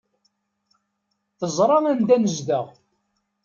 Teẓra anda nezdeɣ.